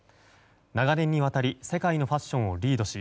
長年にわたり世界のファッションをリードし